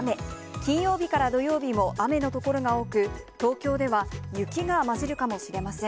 金曜日から土曜日も雨の所が多く、東京では雪が交じるかもしれません。